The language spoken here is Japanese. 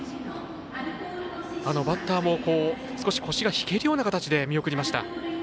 バッターも少し腰が引けるような形で見送りました。